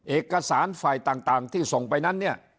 เอกสารไฟล์ต่างที่ส่งไปนั้น